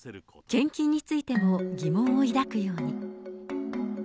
献金についても疑問を抱くように。